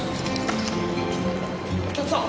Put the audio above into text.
お客さん！